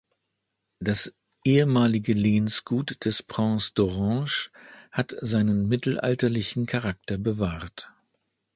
Das ehemalige Lehnsgut des „Prince d’Orange“ hat seinen mittelalterlichen Charakter bewahrt.